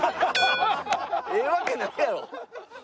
ええわけないやろ。